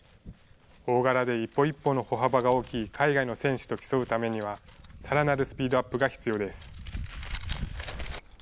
大柄で一歩一歩の歩幅が大きい海外の選手と競うためには、さらなるスピードアップが必要です。